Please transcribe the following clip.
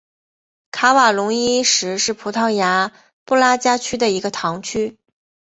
卡瓦隆伊什是葡萄牙布拉加区的一个堂区。